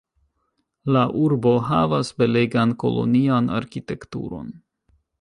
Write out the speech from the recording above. La urbo havas belegan kolonian arkitekturon.